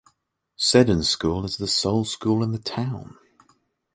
Seddon School is the sole school in the town.